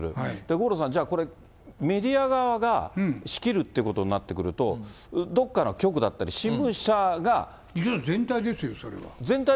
五郎さん、じゃあこれ、メディア側が仕切るってことになってくると、どっかの局だったり、全体ですよ、それは。